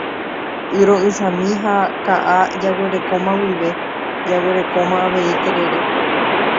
Y ro'ysãmi ha ka'a jaguerekóma guive jaguerekóma avei terere.